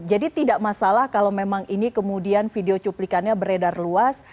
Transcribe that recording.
jadi tidak masalah kalau memang ini kemudian video cuplikannya beredar luas